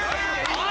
おい！